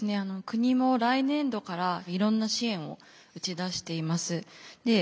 国も来年度からいろんな支援を打ち出しています。